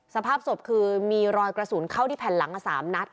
สภาพศพคือมีรอยกระสุนเข้าที่แผ่นหลัง๓นัด